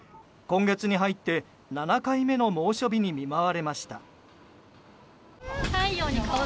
今月に入って７回目の猛暑日に見舞われました。